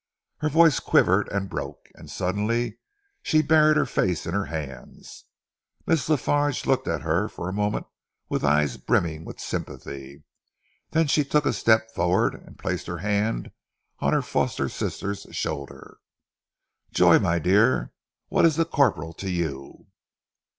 Her voice quivered and broke, and suddenly she buried her face in her hands. Miss La Farge looked at her for a moment with eyes brimming with sympathy. Then she took a step forward and placed her hand on her foster sister's shoulder. "Joy, my dear, what is the corporal to you?"